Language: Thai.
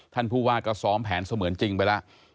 ท่านผู้ว่าก็ซ้อมแผนเสมือนจริงไปแล้ว